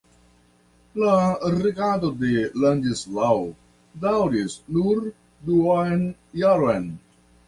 La regado de Ladislao daŭris nur duonjaron.